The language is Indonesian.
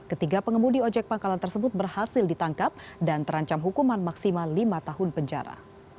ketiga pengemudi ojek pangkalan tersebut berhasil ditangkap dan terancam hukuman maksimal lima tahun penjara